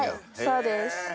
そうです。